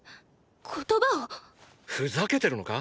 言葉を⁉ふざけてるのか？